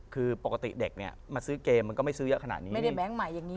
คือปกติเด็กเนี่ยมาซื้อเกมมันก็ไม่ซื้อเยอะขนาดนี้ไม่ได้แบงค์ใหม่อย่างนี้